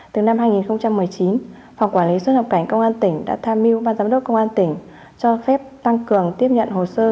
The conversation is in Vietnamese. từ năm hai nghìn một mươi chín phòng quản lý xuất nhập cảnh công an tỉnh đã tham mưu ban giám đốc công an tỉnh cho phép tăng cường tiếp nhận hồ sơ